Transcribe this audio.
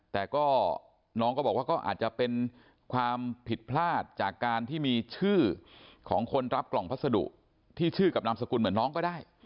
แต่ก็น้องก็บอกว่าก็อาจจะเป็นความผิดพลาดจากการที่มีชื่อของคนรับกล่องพัสดุที่ชื่อกับนามสกุลเหมือนน้องก็ได้